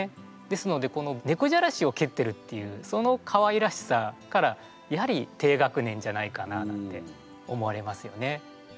ですのでこの猫じゃらしを蹴ってるっていうそのかわいらしさからやはり低学年じゃないかななんて思われますよね。